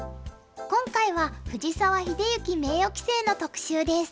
今回は藤沢秀行名誉棋聖の特集です。